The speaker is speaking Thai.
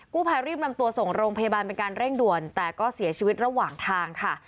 ภายรีบนำตัวส่งโรงพยาบาลเป็นการเร่งด่วนแต่ก็เสียชีวิตระหว่างทางค่ะ